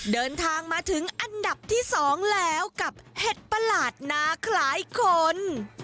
เดินทางมาถึงอันดับที่๒แล้วกับเห็ดประหลาดหน้าคล้ายคน